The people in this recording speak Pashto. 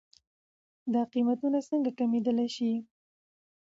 دا قيمتونه څنکه کمېدلی شي؟